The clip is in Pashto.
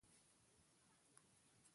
موږ پر ښه ځای باندې پېښ شوي و.